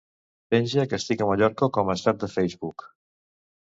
Penja que estic a Mallorca com a estat de Facebook.